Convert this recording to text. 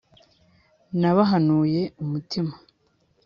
nabahanuye umutima